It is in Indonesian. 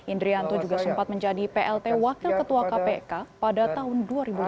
indrianto juga sempat menjadi plt wakil ketua kpk pada tahun dua ribu empat belas